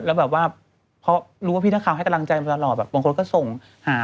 แล้วแบบว่าเพราะรู้ว่าพี่นักข่าวให้กำลังใจมาตลอดแบบบางคนก็ส่งหา